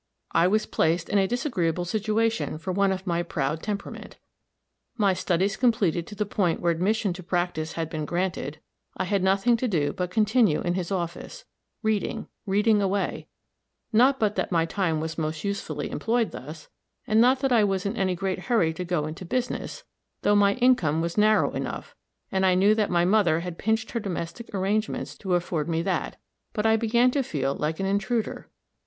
I was placed in a disagreeable situation for one of my proud temperament. My studies completed to the point where admission to practice had been granted, I had nothing to do but continue in his office, reading, reading away not but that my time was most usefully employed thus, and not that I was in any great hurry to go into business, though my income was narrow enough, and I knew that my mother had pinched her domestic arrangements to afford me that but I began to feel like an intruder.